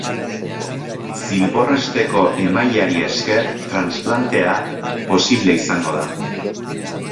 Zilbor-hesteko emaileari esker transplantea posible izango da.